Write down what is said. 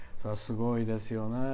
すごいですよね。